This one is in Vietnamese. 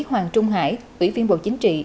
hoàng trung hải ủy viên bộ chính trị